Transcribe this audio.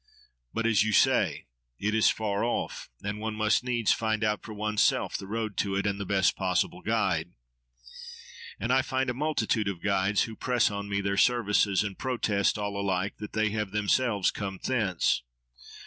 But, as you say, it is far off: and one must needs find out for oneself the road to it, and the best possible guide. And I find a multitude of guides, who press on me their services, and protest, all alike, that they have themselves come thence.